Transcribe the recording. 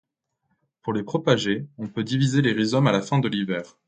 Pour les propager, on peut diviser les rhizomes à la fin de l'hiver.